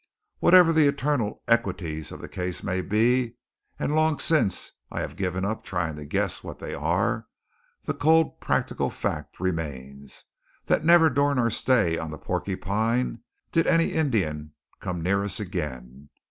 Whatever the eternal equities of the case may be and long since I have given up trying to guess what they are the cold, practical fact remains, that never during our stay on the Porcupine did any Indian come near us again.